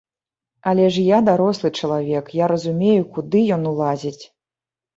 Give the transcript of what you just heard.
Але я ж дарослы чалавек, я разумею, куды ён ўлазіць.